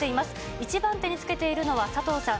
１番手につけているのは佐藤さん。